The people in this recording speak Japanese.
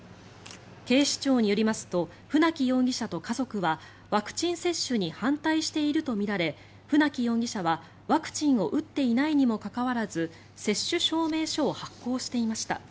警視庁によりますと船木容疑者と家族はワクチン接種に反対しているとみられ船木容疑者はワクチンを打っていないにもかかわらず接種証明書を発行していました。